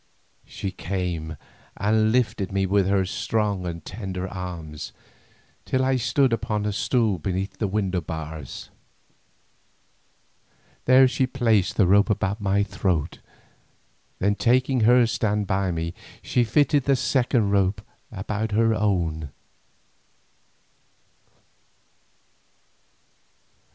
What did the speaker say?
She came and lifted me with her strong and tender arms, till I stood upon a stool beneath the window bars. There she placed the rope about my throat, then taking her stand by me she fitted the second rope upon her own.